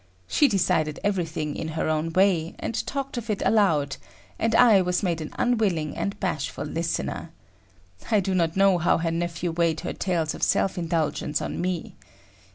She decided everything in her own way, and talked of it aloud, and I was made an unwilling and bashful listener. I do not know how her nephew weighed her tales of self indulgence on me.